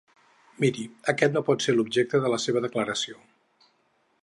Miri, aquest no pot ser l’objecte de la seva declaració.